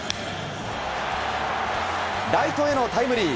ライトへのタイムリー。